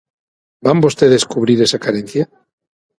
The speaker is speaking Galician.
Van vostedes cubrir esa carencia?